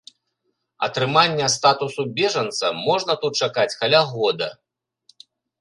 Атрымання статусу бежанца можна тут чакаць каля года.